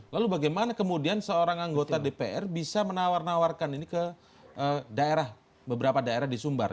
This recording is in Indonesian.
lalu bagaimana kemudian seorang anggota dpr bisa menawar nawarkan ini ke beberapa daerah di sumbar